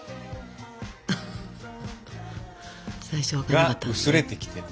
が薄れてきてる。